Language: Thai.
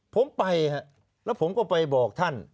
ผมไปแล้วผมก็ไปบอกท่าน